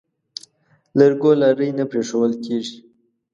لرګو لارۍ نه پرېښوول کېږي.